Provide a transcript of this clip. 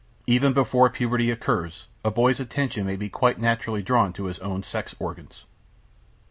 Even before puberty occurs, a boy's attention may be quite naturally drawn to his own sex organs.